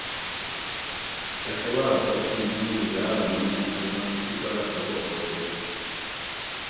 اۤ شباۤ پت ایں مئیم جاۤ منو اوں ائی تانی شِیٹائے خفہ ہوگیت